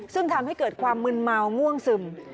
ซึ่งทำให้เกิดความมึนเมาง่วงซึม